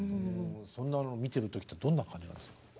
そんなのを見てる時ってどんな感じなんですか？